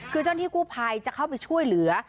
คือเจ้าหน้าที่กู้ภัยจะเข้าไปช่วยเหลือ